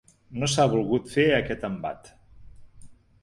No s’ha volgut fer aquest embat.